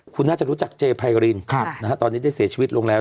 คุณน่าจะรู้จักจเจภายรินค่ะนะฮะตอนนี้ได้เสียชีวิตลงแล้ว